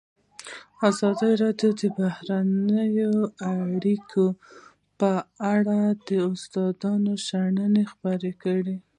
ازادي راډیو د بهرنۍ اړیکې په اړه د استادانو شننې خپرې کړي.